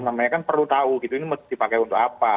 mereka kan perlu tahu ini dipakai untuk apa